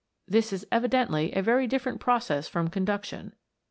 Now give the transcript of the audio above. This is evi dently a very different process from conduction.